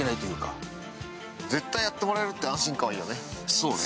そうね。